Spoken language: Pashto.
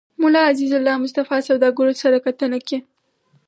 ملا عزيزالله مصطفى سوداګرو سره کتنه کې